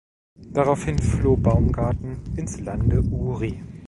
Daraufhin floh Baumgarten ins Lande Uri.